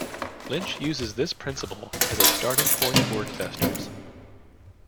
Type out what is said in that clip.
Lynch uses this principle as a starting point for investors.